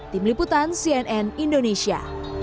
tim liputan cnn indonesia